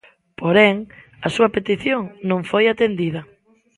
Porén, a súa petición non foi atendida.